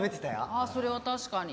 ああそれは確かに。